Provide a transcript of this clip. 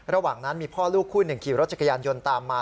ระหว่างนั้นมีพ่อลูกคู่หนึ่งขี่รถจักรยานยนต์ตามมา